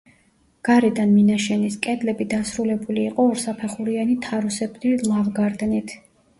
გარედან მინაშენის კედლები დასრულებული იყო ორსაფეხურიანი, თაროსებრი ლავგარდნით.